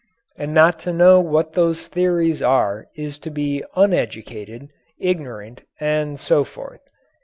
And not to know what those theories are is to be "uneducated," "ignorant," and so forth.